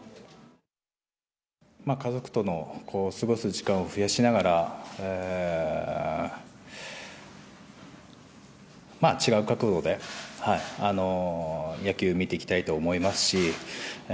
家族との過ごす時間を増やしながら、違う角度で野球を見ていきたいと思いますし。